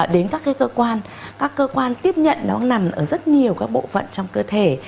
đến các cơ quan các cơ quan tiếp nhận nó nằm ở rất nhiều các bộ phận trong cơ thể